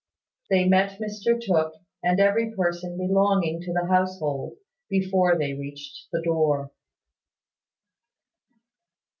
They met Mr Tooke, and every person belonging to the household, before they reached the door.